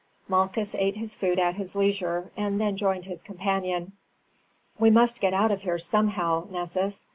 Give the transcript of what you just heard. Malchus ate his food at his leisure, and then joined his companion. "We must get out of here somehow, Nessus.